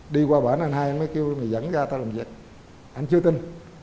đi qua bển anh hai anh mới kêu mình dẫn ra ta làm việc anh chưa tin